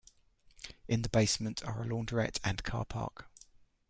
In the basement are a launderette and car park.